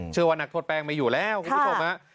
เชื่อว่านักโทษแป้งไม่อยู่แล้วคุณผู้ชมฮะ